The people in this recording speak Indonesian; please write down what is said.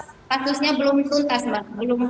kasusnya belum tuntas mbak